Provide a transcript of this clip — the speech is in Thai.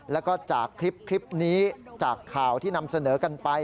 แล้วก็จากคลิปนี้จากข่าวที่นำเสนอกันไป